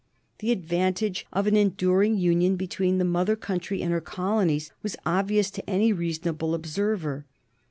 The advantage of an enduring union between the mother country and her colonies was obvious to any reasonable observer.